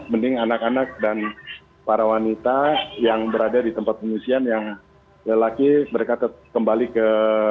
mending anak anak dan para wanita yang berada di tempat pengungsian yang lelaki mereka kembali ke